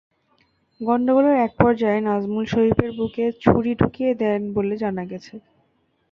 গণ্ডগোলের একপর্যায়ে নাজমুল শরীফের বুকে ছুরি ঢুকিয়ে দেন বলে জানা গেছে।